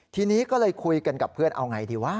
ทีนี้ก็เลยคุยกันกับเพื่อนเอาไงดีวะ